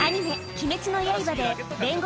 『鬼滅の刃』で煉獄